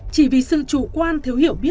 chỉ vì sự chủ quan thiếu hiểu biết